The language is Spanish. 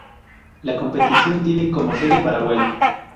La competición tiene como sede Paraguay.